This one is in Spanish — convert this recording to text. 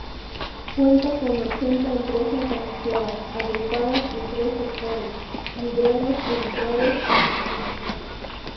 Cuenta con ochenta empresas asociadas, agrupadas en tres sectores: libreros, editores y distribuidores.